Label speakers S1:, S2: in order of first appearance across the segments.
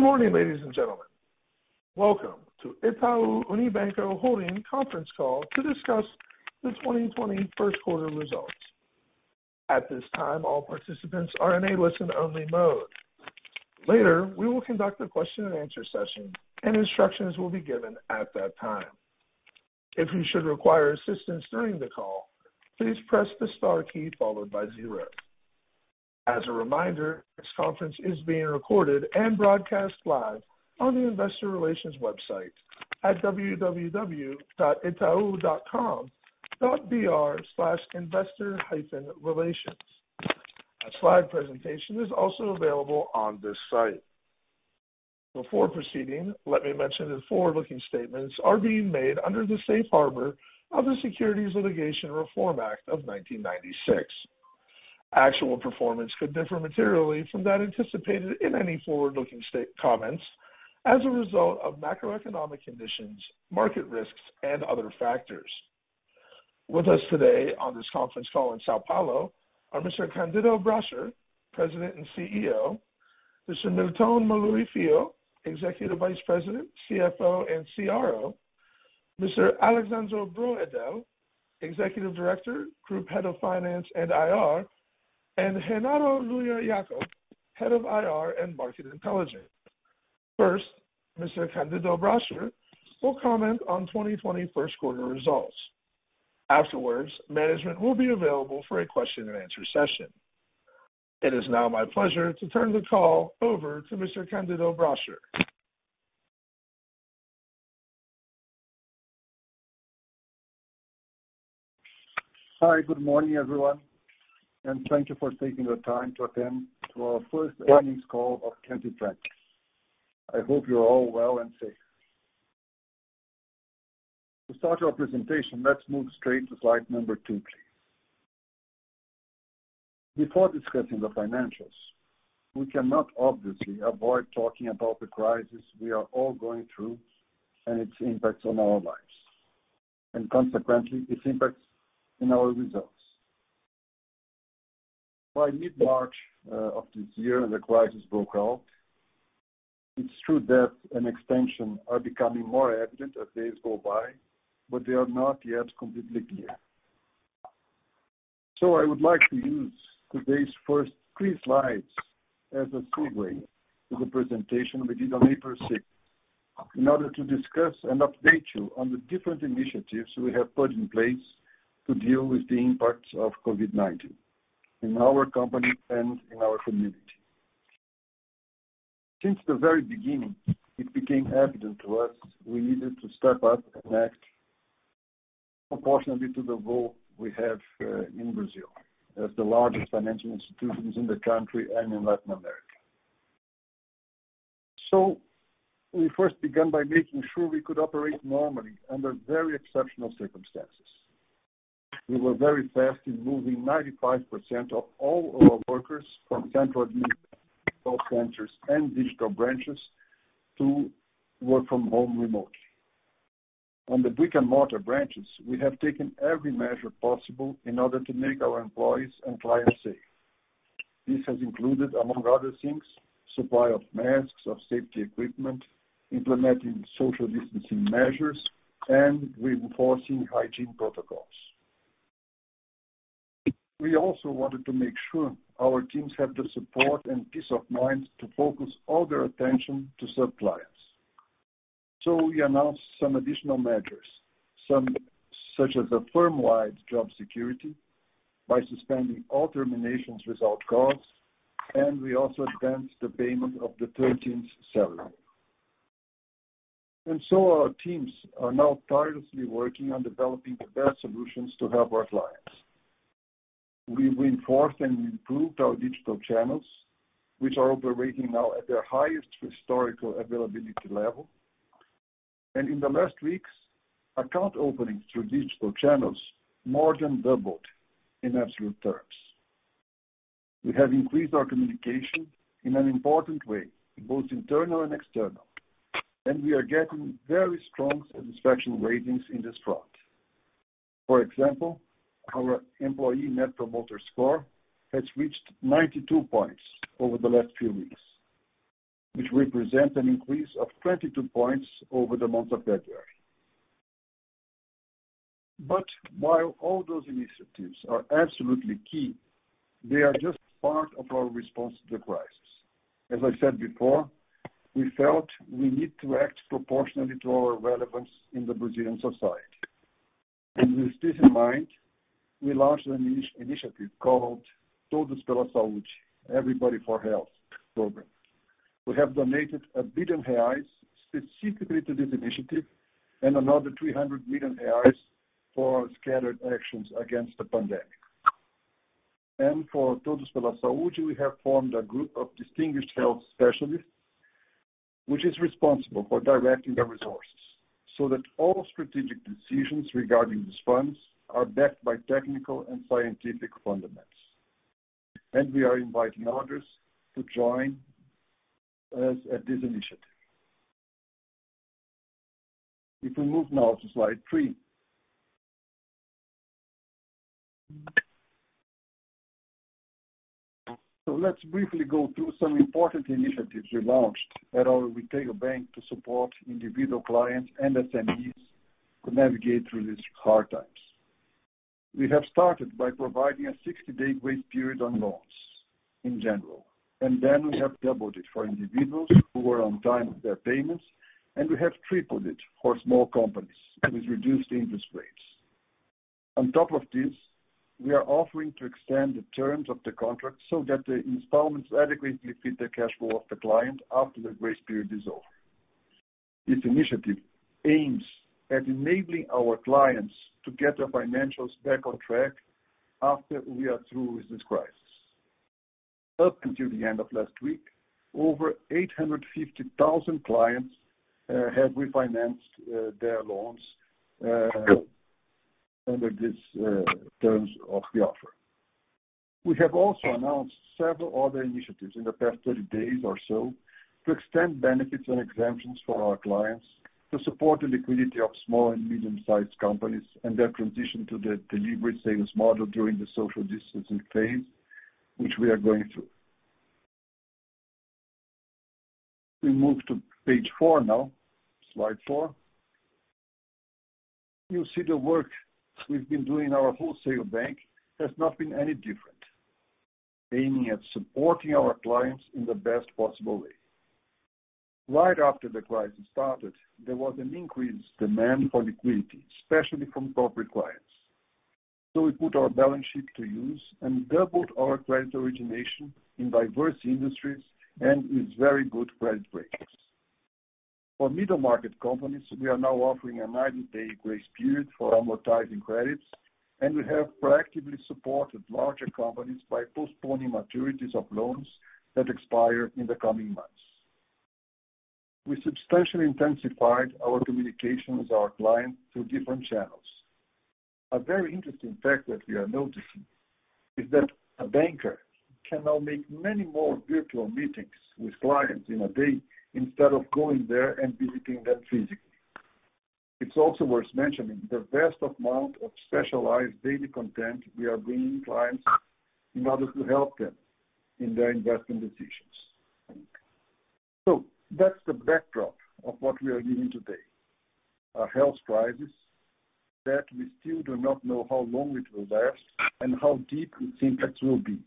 S1: Good morning, ladies and gentlemen. Welcome to Itaú Unibanco Holding conference call to discuss the 2020 first quarter results. At this time, all participants are in a listen-only mode. Later, we will conduct a question-and-answer session, and instructions will be given at that time. If you should require assistance during the call, please press the star key followed by zero. As a reminder, this conference is being recorded and broadcast live on the investor relations website at www.itau.com.br/investor-relations. A slide presentation is also available on this site. Before proceeding, let me mention that forward-looking statements are being made under the Safe Harbor of the Securities Litigation Reform Act of 1996. Actual performance could differ materially from that anticipated in any forward-looking comments as a result of macroeconomic conditions, market risks, and other factors. With us today on this conference call in São Paulo are Mr. Candido Bracher, President and CEO, Mr. Milton Maluhy Filho, Executive Vice President, CFO and CRO, Mr. Alexsandro Broedel, Executive Director, Group Head of Finance and IR, and Renato Lulia Jacob, Head of IR and Market Intelligence. First, Mr. Candido Bracher will comment on 2020 first quarter results. Afterwards, management will be available for a question-and-answer session. It is now my pleasure to turn the call over to Mr. Candido Bracher.
S2: Hi, good morning, everyone, and thank you for taking the time to attend to our first earnings call of 1Q. I hope you're all well and safe. To start our presentation, let's move straight to slide number two, please. Before discussing the financials, we cannot obviously avoid talking about the crisis we are all going through and its impacts on our lives, and consequently, its impacts in our results. By mid-March of this year, the crisis broke out. It's true that an extension is becoming more evident as days go by, but they are not yet completely clear. So I would like to use today's first three slides as a segue to the presentation we did on April 6th in order to discuss and update you on the different initiatives we have put in place to deal with the impacts of COVID-19 in our company and in our community. Since the very beginning, it became evident to us we needed to step up and act proportionately to the goal we have in Brazil as the largest financial institutions in the country and in Latin America. So we first began by making sure we could operate normally under very exceptional circumstances. We were very fast in moving 95% of all our workers from central to digital centers and digital branches to work from home remotely. On the brick-and-mortar branches, we have taken every measure possible in order to make our employees and clients safe. This has included, among other things, the supply of masks, of safety equipment, implementing social distancing measures, and reinforcing hygiene protocols. We also wanted to make sure our teams have the support and peace of mind to focus all their attention on their clients. We announced some additional measures, such as a firm-wide job security by suspending all terminations without cause, and we also advanced the payment of the 13th salary. Our teams are now tirelessly working on developing the best solutions to help our clients. We've reinforced and improved our digital channels, which are operating now at their highest historical availability level. In the last weeks, account openings through digital channels more than doubled in absolute terms. We have increased our communication in an important way, both internal and external, and we are getting very strong satisfaction ratings in this front. For example, our employee Net Promoter Score has reached 92 points over the last few weeks, which represents an increase of 22 points over the month of February. While all those initiatives are absolutely key, they are just part of our response to the crisis. As I said before, we felt we need to act proportionately to our relevance in the Brazilian society. And with this in mind, we launched an initiative called Todos pela Saúde, Everybody for Health program. We have donated 1 billion reais specifically to this initiative and another 300 million reais for scattered actions against the pandemic. And for Todos pela Saúde, we have formed a group of distinguished health specialists, which is responsible for directing the resources so that all strategic decisions regarding these funds are backed by technical and scientific fundamentals. And we are inviting others to join us at this initiative. If we move now to slide three. So let's briefly go through some important initiatives we launched at our retail bank to support individual clients and SMEs to navigate through these hard times. We have started by providing a 60-day grace period on loans in general, and then we have doubled it for individuals who were on time with their payments, and we have tripled it for small companies with reduced interest rates. On top of this, we are offering to extend the terms of the contract so that the installments adequately fit the cash flow of the client after the grace period is over. This initiative aims at enabling our clients to get their financials back on track after we are through with this crisis. Up until the end of last week, over 850,000 clients have refinanced their loans under these terms of the offer. We have also announced several other initiatives in the past 30 days or so to extend benefits and exemptions for our clients to support the liquidity of small and medium-sized companies and their transition to the delivery sales model during the social distancing phase, which we are going through. We move to page four now, slide four. You see the work we've been doing at our wholesale bank has not been any different, aiming at supporting our clients in the best possible way. Right after the crisis started, there was an increased demand for liquidity, especially from corporate clients. So we put our balance sheet to use and doubled our credit origination in diverse industries and with very good credit ratings. For middle-market companies, we are now offering a 90-day grace period for amortizing credits, and we have proactively supported larger companies by postponing maturities of loans that expire in the coming months. We substantially intensified our communication with our clients through different channels. A very interesting fact that we are noticing is that a banker can now make many more virtual meetings with clients in a day instead of going there and visiting them physically. It's also worth mentioning the vast amount of specialized daily content we are bringing clients in order to help them in their investment decisions. So that's the backdrop of what we are doing today: a health crisis that we still do not know how long it will last and how deep its impacts will be,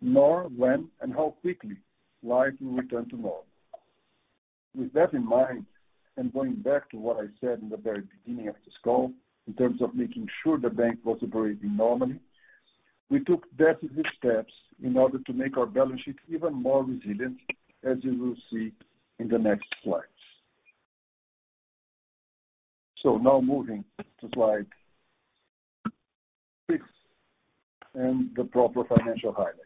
S2: nor when and how quickly life will return to normal. With that in mind, and going back to what I said in the very beginning of this call in terms of making sure the bank was operating normally, we took decisive steps in order to make our balance sheet even more resilient, as you will see in the next slides. So now moving to slide six and the proper financial highlights.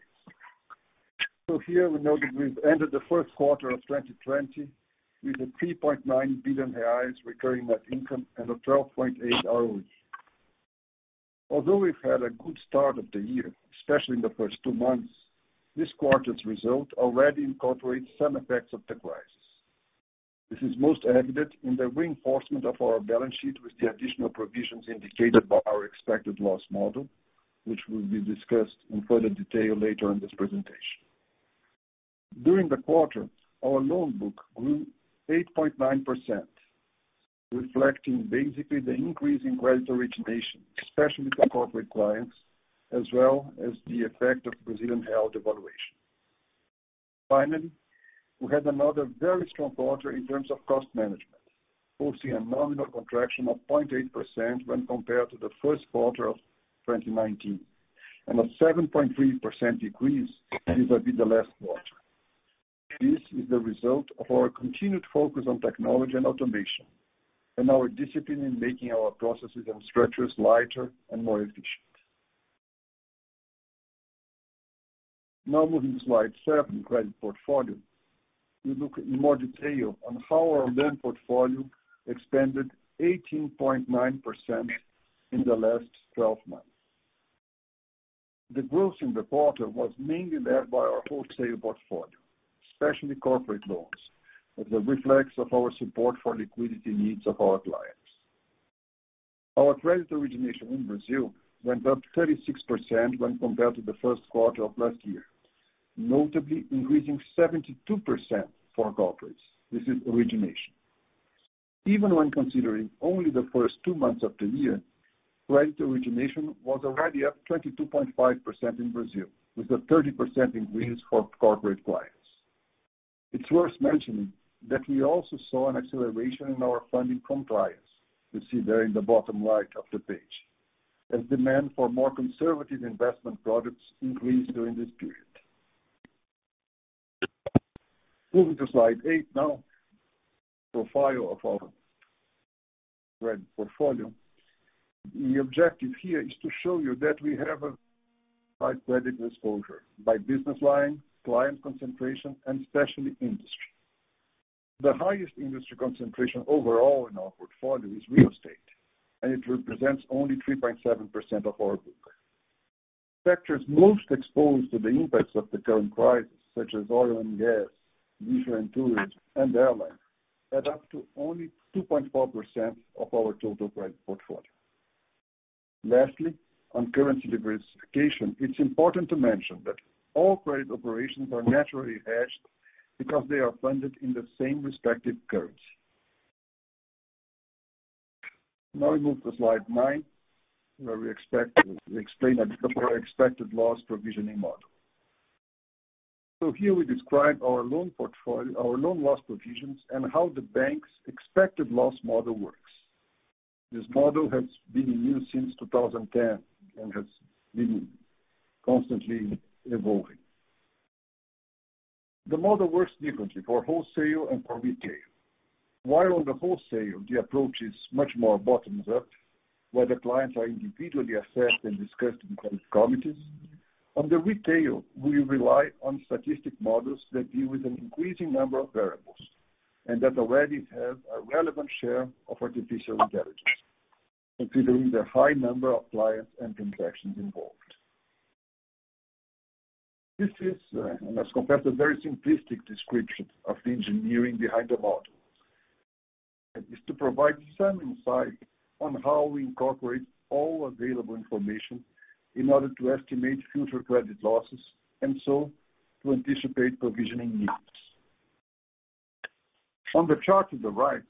S2: So here, we know that we've entered the first quarter of 2020 with a 3.9 billion reais recurring net income and a 12.8% ROE. Although we've had a good start of the year, especially in the first two months, this quarter's result already incorporates some effects of the crisis. This is most evident in the reinforcement of our balance sheet with the additional provisions indicated by our expected loss model, which will be discussed in further detail later in this presentation. During the quarter, our loan book grew 8.9%, reflecting basically the increase in credit origination, especially for corporate clients, as well as the effect of Brazilian Real devaluation. Finally, we had another very strong quarter in terms of cost management, posting a nominal contraction of 0.8% when compared to the first quarter of 2019 and a 7.3% decrease vis-à-vis the last quarter. This is the result of our continued focus on technology and automation and our discipline in making our processes and structures lighter and more efficient. Now moving to slide seven, credit portfolio, we look in more detail on how our loan portfolio expanded 18.9% in the last 12 months. The growth in the quarter was mainly led by our wholesale portfolio, especially corporate loans, as a reflection of our support for liquidity needs of our clients. Our credit origination in Brazil went up 36% when compared to the first quarter of last year, notably increasing 72% for corporates. This is origination. Even when considering only the first two months of the year, credit origination was already up 22.5% in Brazil, with a 30% increase for corporate clients. It's worth mentioning that we also saw an acceleration in our funding from clients, you see there in the bottom right of the page, as demand for more conservative investment products increased during this period. Moving to slide eight now, profile of our credit portfolio. The objective here is to show you that we have a high credit exposure by business line, client concentration, and especially industry. The highest industry concentration overall in our portfolio is real estate, and it represents only 3.7% of our book. Sectors most exposed to the impacts of the current crisis, such as oil and gas, diesel and fuels, and airlines, add up to only 2.4% of our total credit portfolio. Lastly, on currency diversification, it's important to mention that all credit operations are naturally hedged because they are funded in the same respective currency. Now we move to slide nine, where we expect to explain our expected loss provisioning model, so here, we describe our loan loss provisions and how the bank's expected loss model works. This model has been in use since 2010 and has been constantly evolving. The model works differently for wholesale and for retail. While on the wholesale, the approach is much more bottom-up, where the clients are individually assessed and discussed in committees, on the retail, we rely on statistical models that deal with an increasing number of variables and that already have a relevant share of artificial intelligence, considering the high number of clients and transactions involved. This is, as compared to a very simplistic description of the engineering behind the model, it is to provide some insight on how we incorporate all available information in order to estimate future credit losses and so to anticipate provisioning needs. On the chart to the right,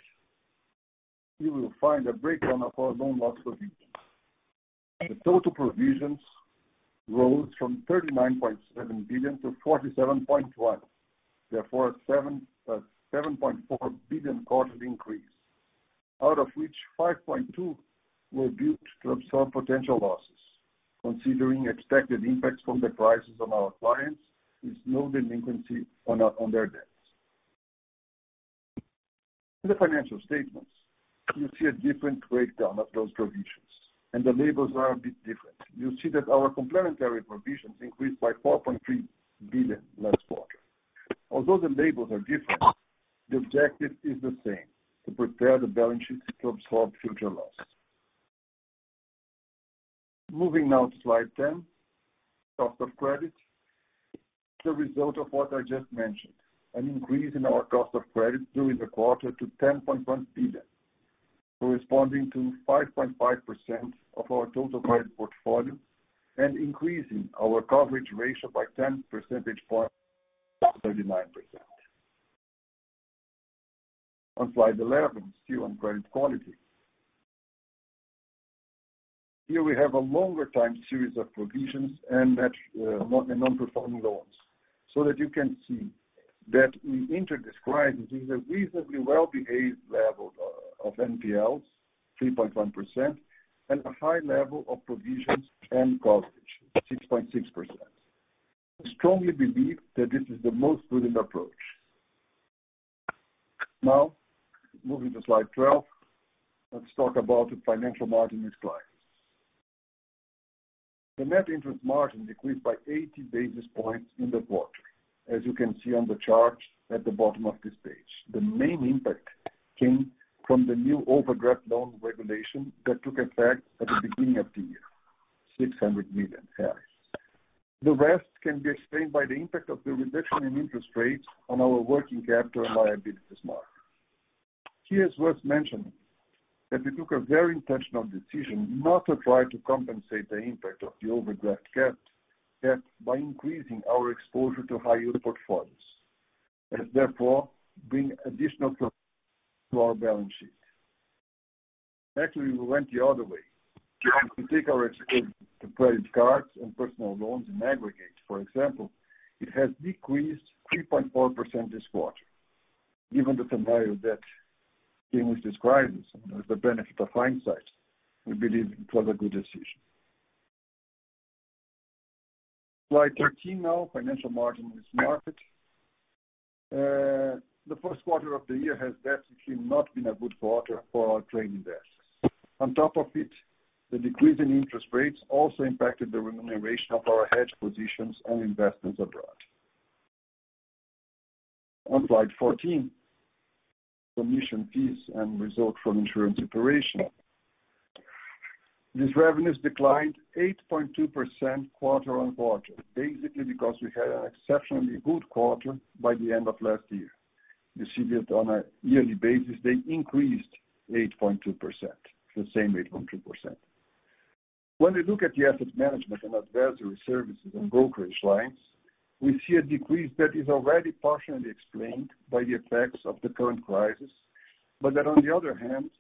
S2: you will find a breakdown of our loan loss provisions. The total provisions rose from 39.7 billion-47.1 billion, therefore a 7.4 billion quarterly increase, out of which 5.2 billion were built to absorb potential losses, considering expected impacts from the crisis on our clients with no delinquency on their debts. In the financial statements, you see a different breakdown of those provisions, and the labels are a bit different. You see that our complementary provisions increased by 4.3 billion last quarter. Although the labels are different, the objective is the same: to prepare the balance sheet to absorb future losses. Moving now to slide 10, cost of credit, the result of what I just mentioned, an increase in our cost of credit during the quarter to 10.1 billion, corresponding to 5.5% of our total credit portfolio and increasing our coverage ratio by 10 percentage points to 39%. On slide 11, still on credit quality, here we have a longer-time series of provisions and non-performing loans so that you can see that we entered this crisis with a reasonably well-behaved level of NPLs, 3.1%, and a high level of provisions and coverage, 6.6%. We strongly believe that this is the most prudent approach. Now, moving to slide 12, let's talk about financial margin with clients. The net interest margin decreased by 80 basis points in the quarter, as you can see on the chart at the bottom of this page. The main impact came from the new overdraft loan regulation that took effect at the beginning of the year, 600 million. The rest can be explained by the impact of the reduction in interest rates on our working capital and liabilities market. Here it's worth mentioning that we took a very intentional decision not to try to compensate the impact of the overdraft gap by increasing our exposure to high-yield portfolios, as therefore bringing additional to our balance sheet. Actually, we went the other way. We take our exposure to credit cards and personal loans in aggregate, for example, it has decreased 3.4% this quarter. Given the scenario that came with this crisis and the benefit of hindsight, we believe it was a good decision. Slide 13 now, financial margin with market. The first quarter of the year has definitely not been a good quarter for our trading desks. On top of it, the decrease in interest rates also impacted the remuneration of our hedge positions and investments abroad. On slide 14, commission fees and result from insurance operation. These revenues declined 8.2% quarter on quarter, basically because we had an exceptionally good quarter by the end of last year. You see that on a yearly basis, they increased 8.2%, the same 8.2%. When we look at the asset management and advisory services and brokerage lines, we see a decrease that is already partially explained by the effects of the current crisis, but that on the other hand,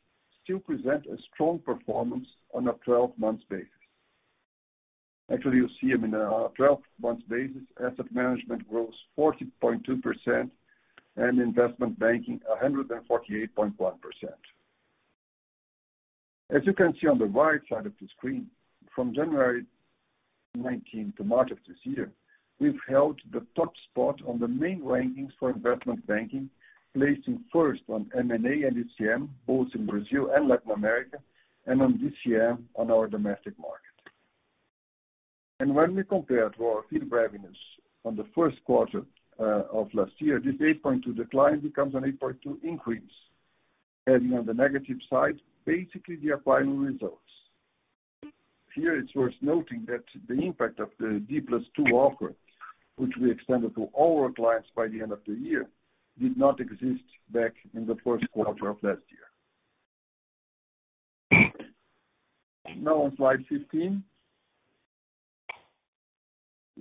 S2: still presents a strong performance on a 12-month basis. Actually, you see them in a 12-month basis, asset management grows 40.2% and investment banking 148.1%. As you can see on the right side of the screen, from January 19 to March of this year, we've held the top spot on the main rankings for investment banking, placing first on M&A and ECM, both in Brazil and Latin America, and on DCM on our domestic market. When we compare to our fee revenues in the first quarter of last year, this 8.2% decline becomes an 8.2% increase, adding on the negative side, basically the acquiring results. Here, it's worth noting that the impact of the D+2 offers, which we extended to all our clients by the end of the year, did not exist back in the first quarter of last year. Now on slide 15,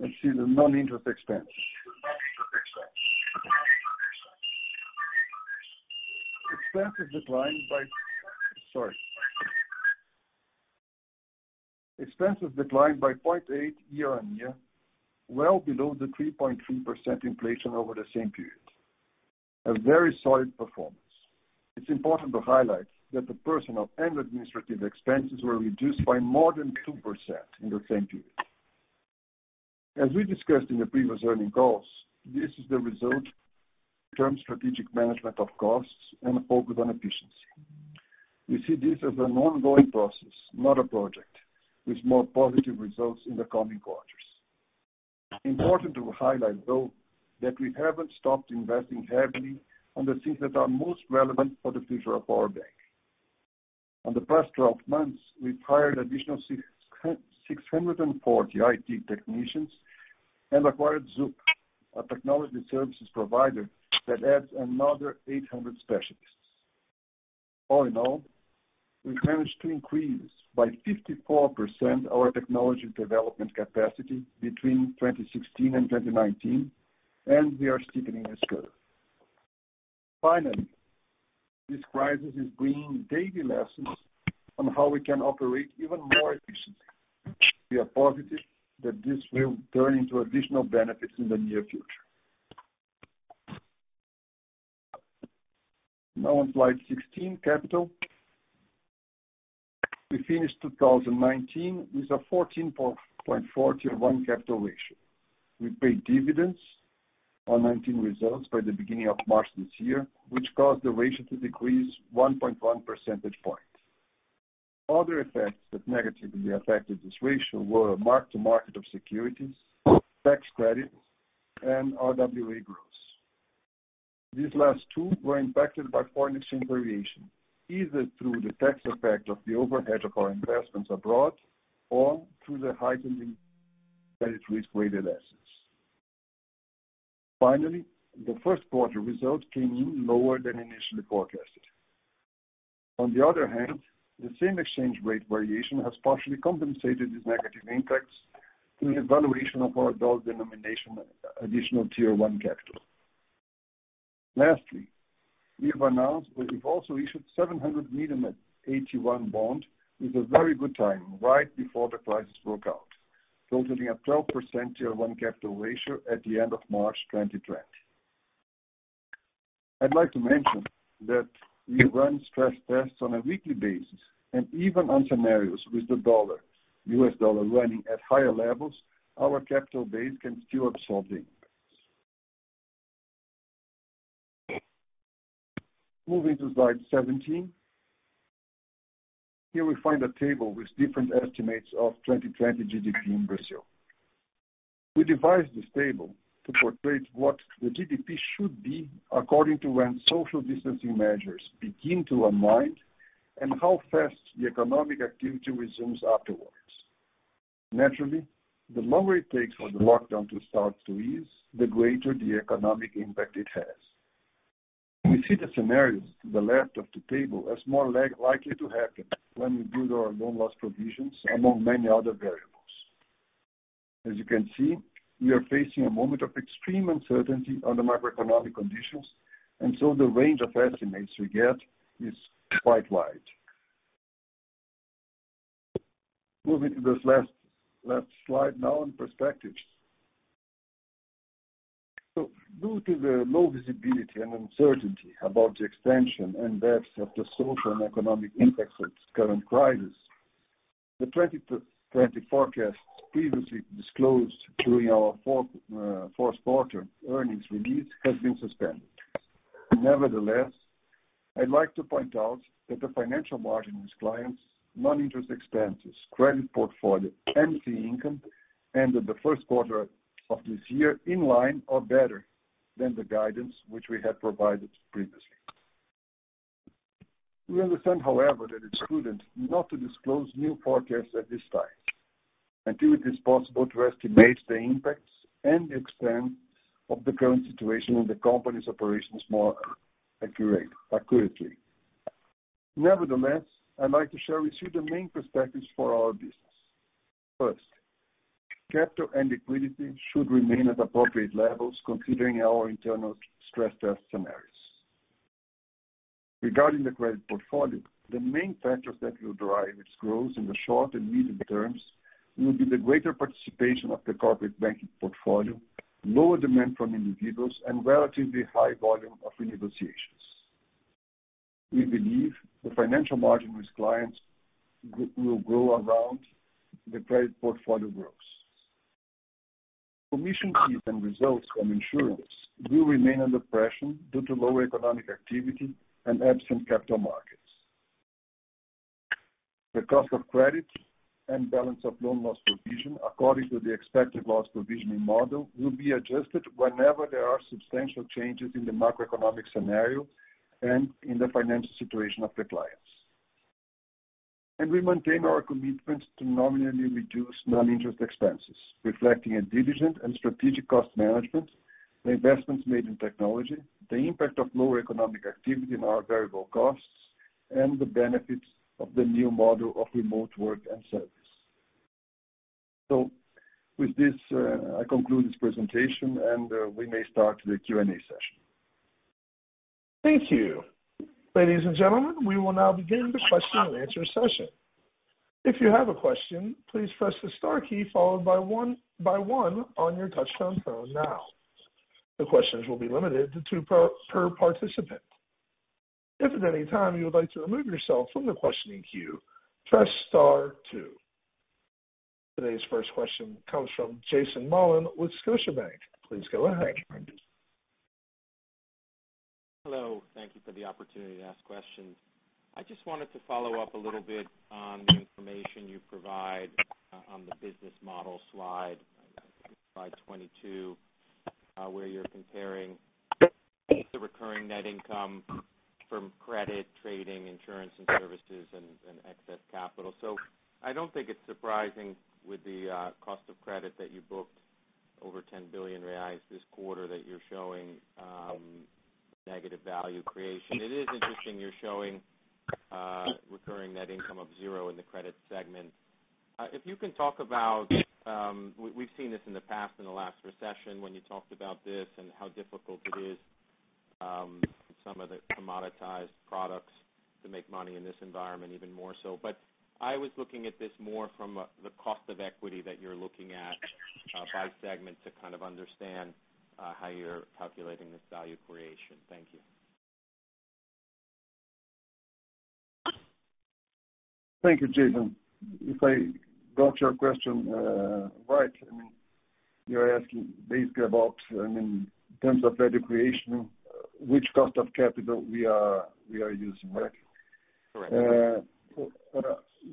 S2: let's see the non-interest expenses. Expenses declined by - sorry. Expenses declined by 0.8% year on year, well below the 3.3% inflation over the same period. A very solid performance. It's important to highlight that the personnel and administrative expenses were reduced by more than 2% in the same period. As we discussed in the previous earnings calls, this is the result of long-term strategic management of costs and a focus on efficiency. We see this as an ongoing process, not a project, with more positive results in the coming quarters. Important to highlight, though, that we haven't stopped investing heavily on the things that are most relevant for the future of our bank. In the past 12 months, we've hired additional 640 IT technicians and acquired Zup, a technology services provider that adds another 800 specialists. All in all, we've managed to increase by 54% our technology development capacity between 2016 and 2019, and we are steepening this curve. Finally, this crisis is bringing daily lessons on how we can operate even more efficiently. We are positive that this will turn into additional benefits in the near future. Now on slide 16, capital. We finished 2019 with a 14.4 tier one capital ratio. We paid dividends on 19 results by the beginning of March this year, which caused the ratio to decrease 1.1 percentage points. Other effects that negatively affected this ratio were mark-to-market of securities, tax credits, and RWA growth. These last two were impacted by foreign exchange variation, either through the tax effect of the overhead of our investments abroad or through the heightened credit risk-weighted assets. Finally, the first quarter result came in lower than initially forecasted. On the other hand, the same exchange rate variation has partially compensated these negative impacts through the evaluation of our dollar denomination additional tier one capital. Lastly, we've announced that we've also issued 700 million AT1 bonds with a very good timing right before the crisis broke out, totaling a 12% tier one capital ratio at the end of March 2020. I'd like to mention that we run stress tests on a weekly basis, and even on scenarios with the dollar, US dollar running at higher levels, our capital base can still absorb the impacts. Moving to slide 17, here we find a table with different estimates of 2020 GDP in Brazil. We devised this table to portray what the GDP should be according to when social distancing measures begin to unwind and how fast the economic activity resumes afterwards. Naturally, the longer it takes for the lockdown to start to ease, the greater the economic impact it has. We see the scenarios to the left of the table as more likely to happen when we build our loan loss provisions among many other variables. As you can see, we are facing a moment of extreme uncertainty on the macroeconomic conditions, and so the range of estimates we get is quite wide. Moving to this last slide now in perspective. So due to the low visibility and uncertainty about the extension and depth of the social and economic impacts of this current crisis, the 2020 forecasts previously disclosed during our fourth quarter earnings release have been suspended. Nevertheless, I'd like to point out that the financial margin with clients, non-interest expenses, credit portfolio, and the income ended the first quarter of this year in line or better than the guidance which we had provided previously. We understand, however, that it's prudent not to disclose new forecasts at this time until it is possible to estimate the impacts and the extent of the current situation in the company's operations more accurately. Nevertheless, I'd like to share with you the main perspectives for our business. First, capital and liquidity should remain at appropriate levels considering our internal stress test scenarios. Regarding the credit portfolio, the main factors that will drive its growth in the short and medium terms will be the greater participation of the corporate banking portfolio, lower demand from individuals, and relatively high volume of renegotiations. We believe the financial margin with clients will grow around the credit portfolio growth. Commission fees and results from insurance will remain under pressure due to lower economic activity and absent capital markets. The cost of credit and balance of loan loss provision according to the expected loss provisioning model will be adjusted whenever there are substantial changes in the macroeconomic scenario and in the financial situation of the clients. We maintain our commitment to nominally reduce non-interest expenses, reflecting a diligent and strategic cost management, the investments made in technology, the impact of lower economic activity in our variable costs, and the benefits of the new model of remote work and service. With this, I conclude this presentation, and we may start the Q&A session.
S1: Thank you. Ladies and gentlemen, we will now begin the question and answer session. If you have a question, please press the star key followed by the number one on your touch-tone phone now. The questions will be limited to two per participant. If at any time you would like to remove yourself from the questioning queue, press star two. Today's first question comes from Jason Mollin with Scotiabank. Please go ahead.
S3: Hello. Thank you for the opportunity to ask questions. I just wanted to follow up a little bit on the information you provide on the business model slide, slide 22, where you're comparing the recurring net income from credit, trading, insurance, and services, and excess capital. So I don't think it's surprising with the cost of credit that you booked over 10 billion reais this quarter that you're showing negative value creation. It is interesting you're showing recurring net income of zero in the credit segment. If you can talk about, we've seen this in the past in the last recession when you talked about this and how difficult it is with some of the commoditized products to make money in this environment, even more so. But I was looking at this more from the cost of equity that you're looking at by segment to kind of understand how you're calculating this value creation. Thank you.
S2: Thank you, Jason. If I got your question right, I mean, you're asking basically about, I mean, in terms of value creation, which cost of capital we are using, right?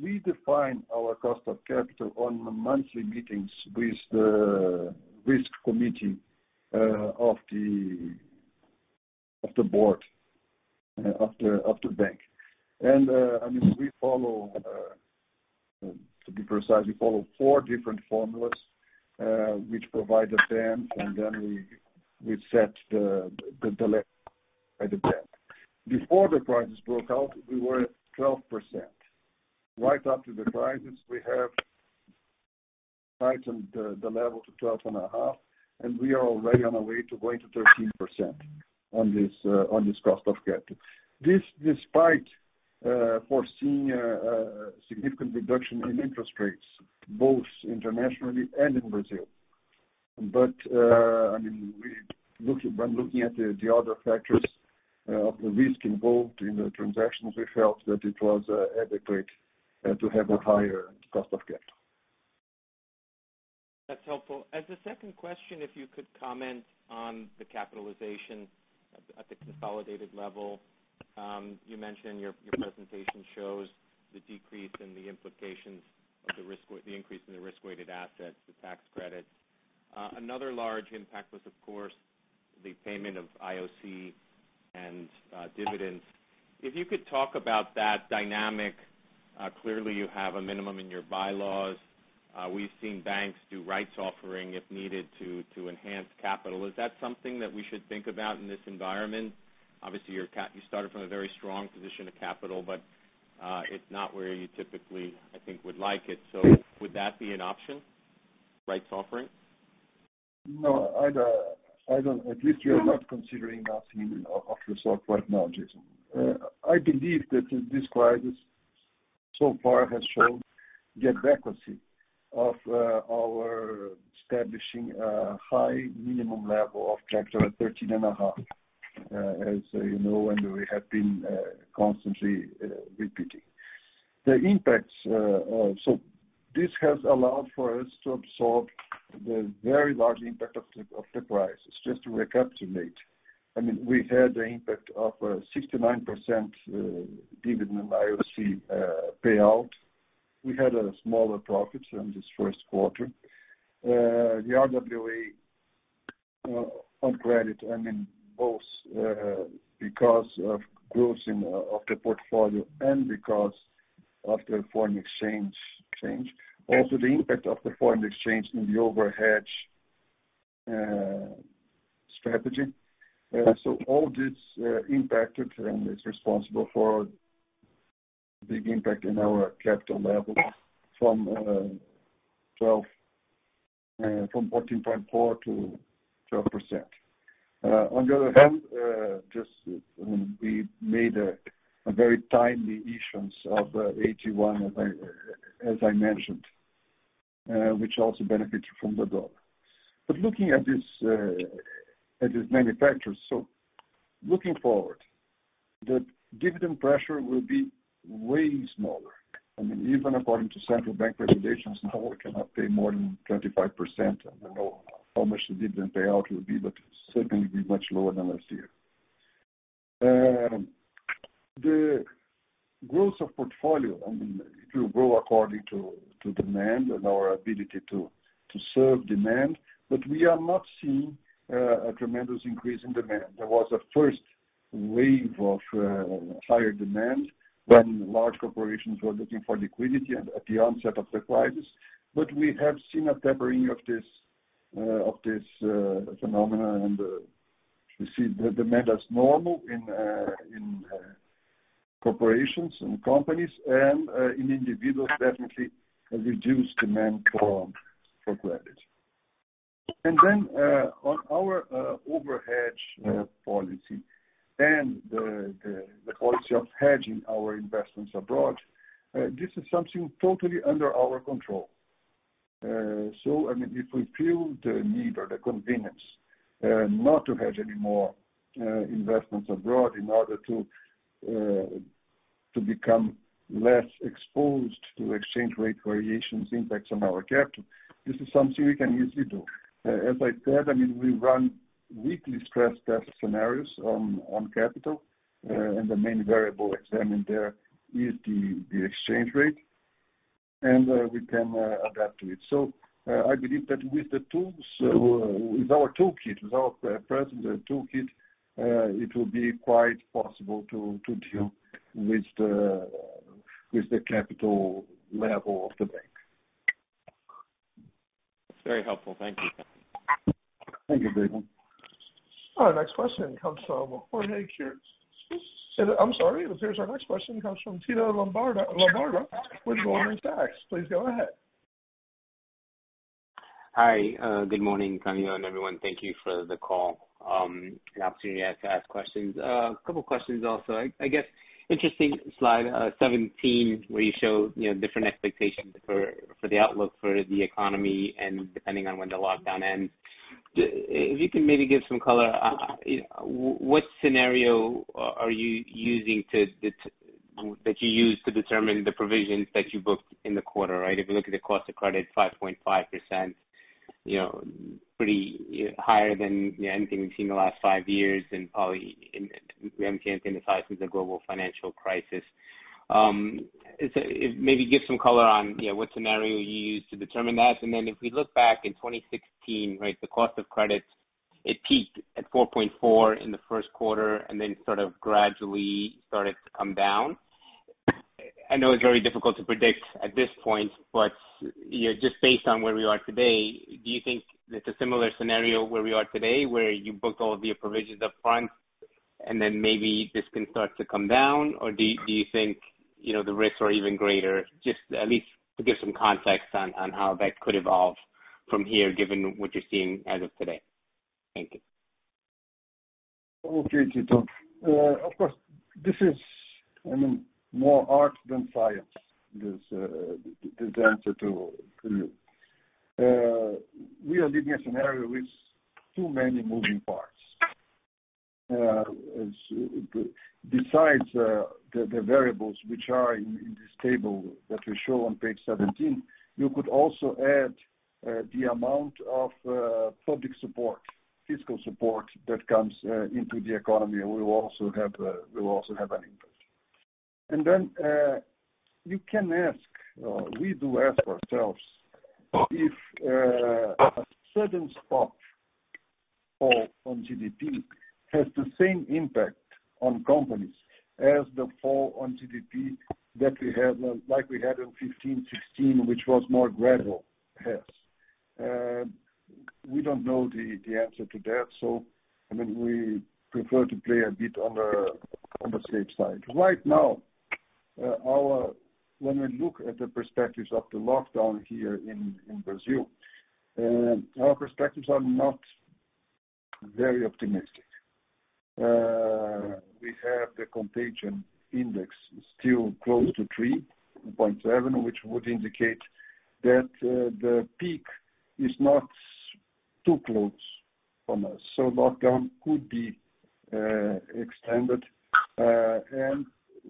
S2: We define our cost of capital on monthly meetings with the risk committee of the board, of the bank. And I mean, we follow, to be precise, we follow four different formulas which provide a band, and then we set the level by the band. Before the crisis broke out, we were at 12%. Right after the crisis, we have tightened the level to 12.5%, and we are already on our way to going to 13% on this cost of capital. This despite foreseeing a significant reduction in interest rates, both internationally and in Brazil. But I mean, when looking at the other factors of the risk involved in the transactions, we felt that it was adequate to have a higher cost of capital.
S3: That's helpful. As a second question, if you could comment on the capitalization at the consolidated level. You mentioned your presentation shows the decrease in the implications of the increase in the risk-weighted assets, the tax credits. Another large impact was, of course, the payment of IOC and dividends. If you could talk about that dynamic, clearly you have a minimum in your bylaws. We've seen banks do rights offering if needed to enhance capital. Is that something that we should think about in this environment? Obviously, you started from a very strong position of capital, but it's not where you typically, I think, would like it. So would that be an option, rights offering?
S2: No, I don't. At least we are not considering that of resort right now, Jason. I believe that this crisis so far has shown the adequacy of our establishing a high minimum level of capital at 13 and a half, as you know, and we have been constantly repeating. The impacts, so this has allowed for us to absorb the very large impact of the crisis. Just to recapitulate, I mean, we had the impact of a 69% dividend and IoC payout. We had a smaller profit in this first quarter. The RWA on credit, I mean, both because of growth of the portfolio and because of the foreign exchange change, also the impact of the foreign exchange in the overhead strategy. So all this impacted and is responsible for a big impact in our capital level from 14.4% to 12%. On the other hand, just we made a very timely issuance of AT1, as I mentioned, which also benefited from the dollar. But looking at these manufacturers, so looking forward, the dividend pressure will be way smaller. I mean, even according to Central Bank regulations, no one can pay more than 25%, and I don't know how much the dividend payout will be, but it's certainly much lower than last year. The growth of portfolio, I mean, it will grow according to demand and our ability to serve demand, but we are not seeing a tremendous increase in demand. There was a first wave of higher demand when large corporations were looking for liquidity at the onset of the crisis, but we have seen a tapering of this phenomenon, and we see the demand as normal in corporations and companies and in individuals definitely reduced demand for credit. Then on our overhead policy and the policy of hedging our investments abroad, this is something totally under our control. So I mean, if we feel the need or the convenience not to hedge any more investments abroad in order to become less exposed to exchange rate variations impacts on our capital, this is something we can easily do. As I said, I mean, we run weekly stress test scenarios on capital, and the main variable examined there is the exchange rate, and we can adapt to it. So I believe that with the tools, with our toolkit, with our present toolkit, it will be quite possible to deal with the capital level of the bank.
S3: That's very helpful. Thank you.
S2: Thank you, Jason.
S1: All right. Next question comes from Jorge here - I'm sorry. It appears our next question comes from Tito Labarta with Goldman Sachs. Please go ahead.
S4: Hi. Good morning, Candido and everyone. Thank you for the call and opportunity to ask questions. A couple of questions also. I guess interesting slide 17 where you show different expectations for the outlook for the economy and depending on when the lockdown ends. If you can maybe give some color, what scenario are you using that you use to determine the provisions that you booked in the quarter, right? If you look at the cost of credit, 5.5%, pretty higher than anything we've seen in the last five years and probably we haven't seen anything the size since the global financial crisis. Maybe give some color on what scenario you use to determine that. And then if we look back in 2016, right, the cost of credit, it peaked at 4.4% in the first quarter and then sort of gradually started to come down. I know it's very difficult to predict at this point, but just based on where we are today, do you think it's a similar scenario where we are today where you booked all of your provisions upfront and then maybe this can start to come down, or do you think the risks are even greater? Just at least to give some context on how that could evolve from here given what you're seeing as of today. Thank you.
S2: Okay Tito. Of course, this is, I mean, more art than science, this answer to you. We are living in a scenario with too many moving parts. Besides the variables which are in this table that we show on page 17, you could also add the amount of public support, fiscal support that comes into the economy will also have an impact. And then you can ask, or we do ask ourselves, if a a certain spot on GDP has the same impact on companies as the fall on GDP that we had like we had in 2015, 2016, which was more gradual has. We don't know the answer to that, so I mean, we prefer to play a bit on the safe side. Right now, when we look at the prospects of the lockdown here in Brazil, our prospects are not very optimistic. We have the contagion index still close to 3.7, which would indicate that the peak is not too close to us. So lockdown could be extended. And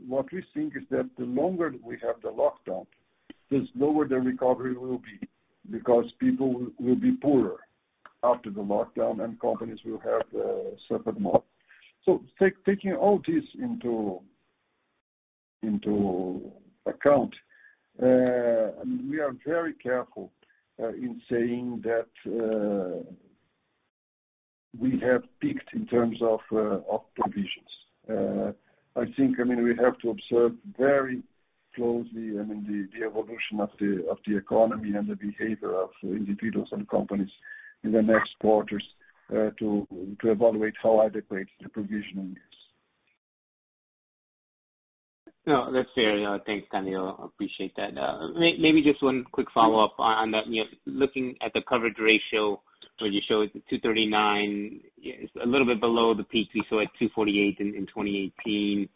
S2: what we think is that the longer we have the lockdown, the slower the recovery will be because people will be poorer after the lockdown and companies will have suffered more. Taking all this into account, we are very careful in saying that we have peaked in terms of provisions. I think, I mean, we have to observe very closely, I mean, the evolution of the economy and the behavior of individuals and companies in the next quarters to evaluate how adequate the provision is.
S4: No, that's fair. Thanks, Candido. I appreciate that. Maybe just one quick follow-up on that. Looking at the coverage ratio, where you showed 239%, it's a little bit below the peak we saw at 248% in 2018.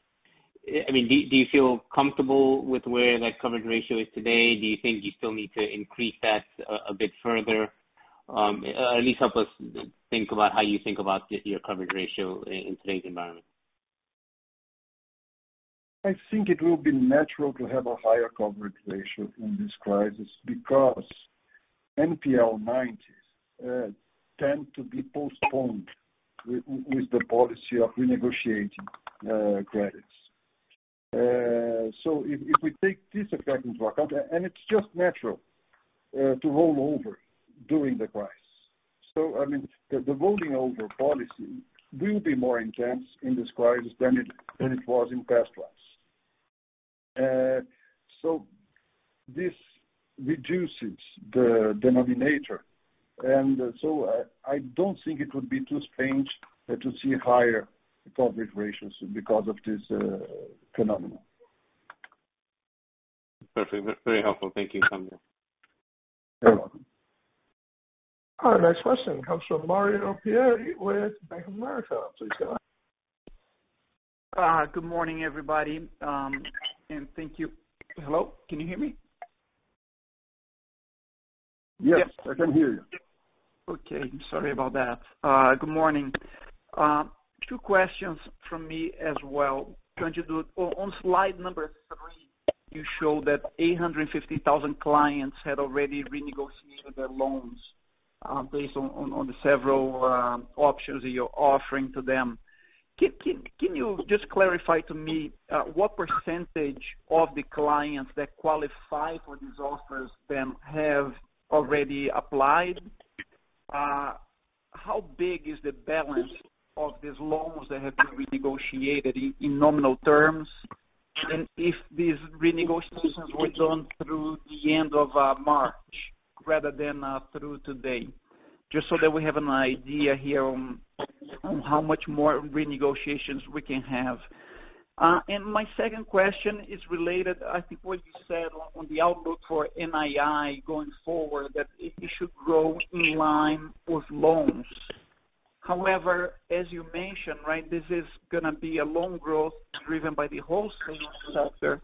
S4: I mean, do you feel comfortable with where that coverage ratio is today? Do you think you still need to increase that a bit further? At least help us think about how you think about your coverage ratio in today's environment.
S2: I think it will be natural to have a higher coverage ratio in this crisis because NPL 90s tend to be postponed with the policy of renegotiating credits. So if we take this effect into account, and it's just natural to roll over during the crisis. So I mean, the rolling over policy will be more intense in this crisis than it was in past crises. So this reduces the denominator, and so I don't think it would be too strange to see higher coverage ratios because of this phenomenon.
S4: Perfect. Very helpful. Thank you, Candido.
S2: You're welcome.
S1: All right. Next question comes from Mario Pierry with Bank of America. Please go ahead.
S5: Good morning, everybody. And thank you. Hello? Can you hear me?
S2: Yes. I can hear you.
S5: Okay. Sorry about that. Good morning. Two questions from me as well. On slide number three, you show that 850,000 clients had already renegotiated their loans based on the several options that you're offering to them. Can you just clarify to me what percentage of the clients that qualify for these offers then have already applied? How big is the balance of these loans that have been renegotiated in nominal terms? And if these renegotiations were done through the end of March rather than through today, just so that we have an idea here on how much more renegotiations we can have? And my second question is related, I think, what you said on the outlook for NII going forward, that it should grow in line with loans. However, as you mentioned, right, this is going to be a loan growth driven by the wholesale sector,